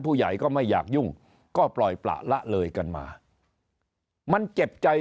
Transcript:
ผู้ใหญ่ก็ไม่อยากยุ่งก็ปล่อยประละเลยกันมามันเจ็บใจ